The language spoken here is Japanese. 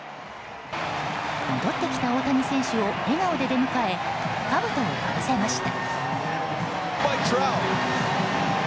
戻ってきた大谷選手を笑顔で出迎えかぶとをかぶせました。